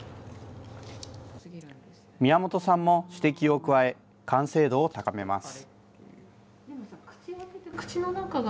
宮本さんも指摘を加え、完成度を高めます。